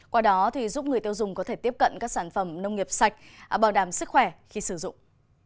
qua đó giúp người tiêu dùng có thể tiếp cận các sản phẩm nông nghiệp sạch bảo đảm sức khỏe khi sử dụng